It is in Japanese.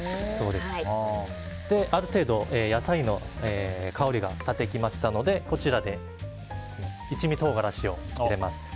ある程度、野菜の香りが立ってきましたのでこちらで一味唐辛子を入れます。